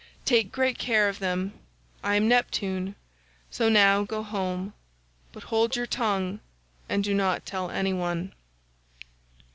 Take great care of them. I am Neptune, so now go home, but hold your tongue and do not tell any one.